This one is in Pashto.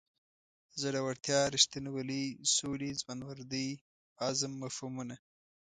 زړورتیا رښتینولۍ سولې ځوانمردۍ عزم مفهومونه.